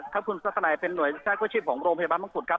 ท่านคุณสัตว์ไหนเป็นหน่วยแทรกวชิบของโรงพยาบาลมังฝุ่นครับ